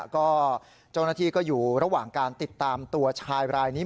ก็เจ้าหน้าที่ก็อยู่ระหว่างการติดตามตัวชายรายนี้